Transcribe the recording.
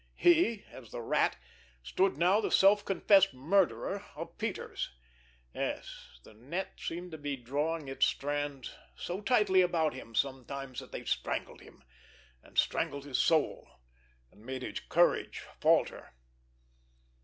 He, as the Rat, stood now the self confessed murderer of Peters! Yes, the net seemed to be drawing its strands so tightly about him sometimes that they strangled him, and strangled his soul, and made his courage falter.